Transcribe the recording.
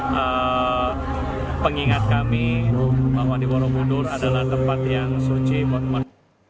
pengingat kami bahwa di borobudur adalah tempat yang suci monumen